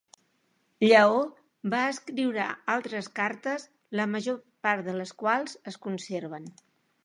Lleó va escriure altres cartes la major part de les quals es conserven.